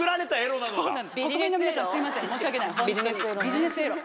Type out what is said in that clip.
ビジネスエロね。